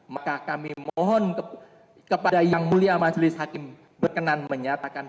maka kami mohon kepada yang mulia majelis hakim berkenan menyatakan